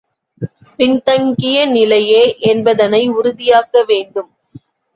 பின் தங்கிய நிலையே என்பதனை உறுதியாக்க வேண்டும்.